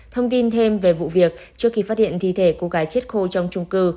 thông tin thêm về vụ việc trước khi phát hiện thi thể cô gái chết khô trong trung cư